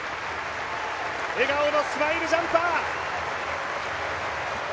笑顔のスマイルジャンパー。